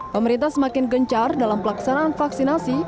pemerintah semakin gencar dalam pelaksanaan vaksinasi